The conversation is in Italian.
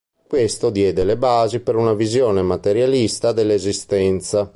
Questo diede le basi per una visione materialista dell'esistenza.